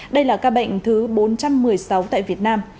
đây là ca bệnh thứ bốn trăm một mươi sáu tại việt nam